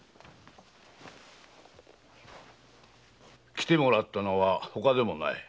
来てもらったのは他でもない。